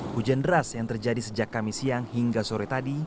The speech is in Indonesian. hujan deras yang terjadi sejak kami siang hingga sore tadi